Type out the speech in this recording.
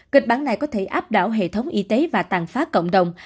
kịch bản này có thể áp đảo hệ thống y tế và tàn phá cộng đồng